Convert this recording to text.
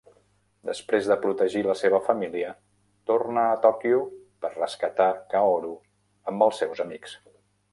Després de protegir la seva família, torna a Tòquio per rescatar Kaoru amb els seus amics.